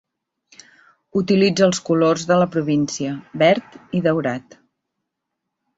Utilitza els colors de la província, verd i daurat.